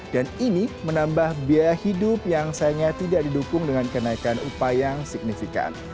dan ini menambah biaya hidup yang sayangnya tidak didukung dengan kenaikan upaya yang signifikan